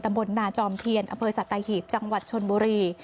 ตำกับนาจอมเทียนอเมอิสทายหยีปจังหวัดชนบุรี